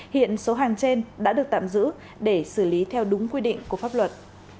hiện số hàng trên đã được tạm giữ để xử lý theo đúng quy định của pháp luật